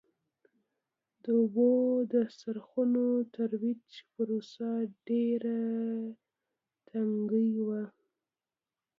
د اوبو د څرخونو ترویج پروسه ډېره ټکنۍ وه.